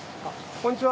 こんにちは。